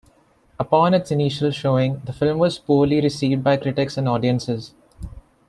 Upon its initial showing, the film was poorly received by critics and audiences.